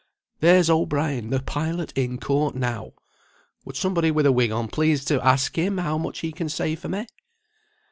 There's O'Brien, the pilot, in court now. Would somebody with a wig on please to ask him how much he can say for me?"